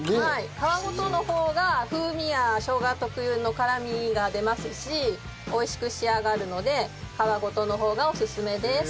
皮ごとの方が風味や生姜特有の辛みが出ますし美味しく仕上がるので皮ごとの方がおすすめです。